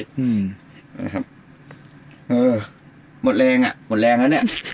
อืมนะครับเออหมดแรงอ่ะหมดแรงแล้วเนี้ย